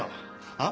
あっ？